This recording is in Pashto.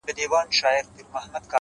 څه یې مسجد دی څه یې آذان دی ـ